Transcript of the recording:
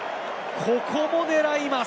ここも狙います。